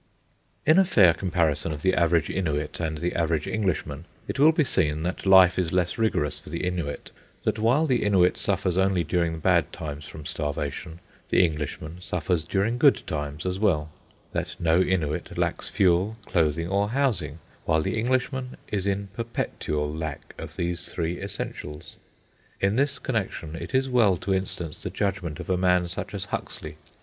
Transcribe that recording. In a fair comparison of the average Innuit and the average Englishman, it will be seen that life is less rigorous for the Innuit; that while the Innuit suffers only during bad times from starvation, the Englishman suffers during good times as well; that no Innuit lacks fuel, clothing, or housing, while the Englishman is in perpetual lack of these three essentials. In this connection it is well to instance the judgment of a man such as Huxley.